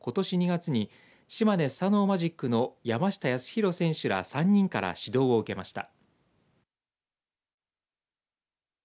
２月に島根スサノオマジックの山下泰弘選手ら３人から指導を受けました。